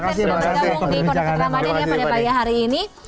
thank you banget bang safir sudah bergabung di kondukter ramadhan ya pada pagi hari ini